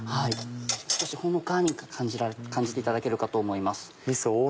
少しほのかに感じていただけるかと思います。